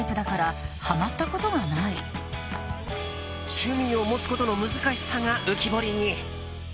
趣味を持つことの難しさが浮き彫りに。